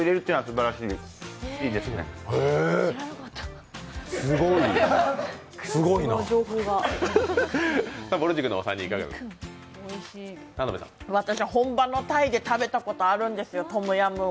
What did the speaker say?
知らなかった本場のタイで食べたことあるんですよ、トムヤムを。